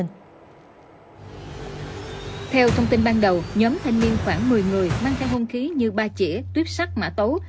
theo thông tin ban đầu nhóm thanh niên khoảng một mươi người mang theo hung khí như ba chỉa tuyếp sắc mã tấu